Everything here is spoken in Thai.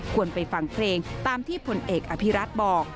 ควรไปฟังเพลงตามที่ผลเอกอภิรัตน์บอก